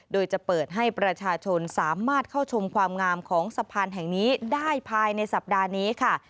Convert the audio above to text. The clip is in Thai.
โดยจะเปิดให้ประชาชนสามารถเข้าชมความงามของสะพานแห่งนี้ได้ภายในสัปดาห์นี้ค่ะ